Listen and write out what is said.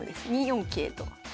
２四桂と。